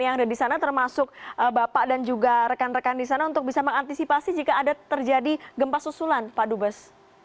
yang ada di sana termasuk bapak dan juga rekan rekan di sana untuk bisa mengantisipasi jika ada terjadi gempa susulan pak dubes